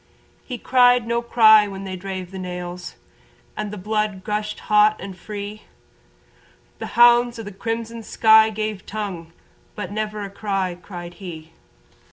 He cried no cry when they drave the nails And the blood gushed hot and free, The hounds of the crimson sky gave tongue But never a cry cried he.